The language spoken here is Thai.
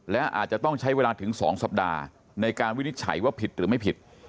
และอาจจะต้องใช้เวลาถึง๒สัปดาห์ในการวินิจฉัยว่าผิดหรือไม่ผิด